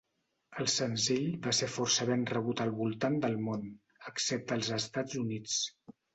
El senzill va ser força ben rebut al voltant del món, excepte als Estats Units.